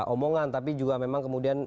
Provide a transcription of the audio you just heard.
omongan tapi juga memang kemudian